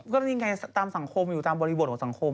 ก็นี่ไงตามสังคมอยู่ตามบริบทของสังคม